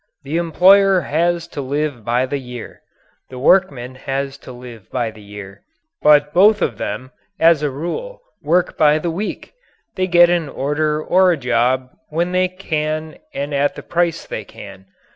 The employer has to live by the year. The workman has to live by the year. But both of them, as a rule, work by the week. They get an order or a job when they can and at the price they can.